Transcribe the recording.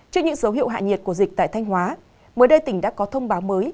trước những dấu hiệu hạ nhiệt của dịch tại thanh hóa mới đây tỉnh đã có thông báo mới